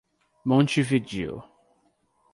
Montividiu